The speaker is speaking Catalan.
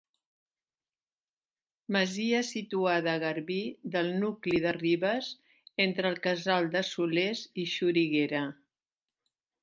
Masia situada a garbí del nucli de Ribes, entre el casal de Solers i Xoriguera.